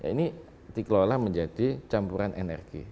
ini dikelola menjadi campuran energi